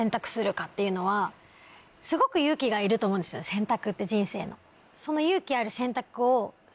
選択って人生の。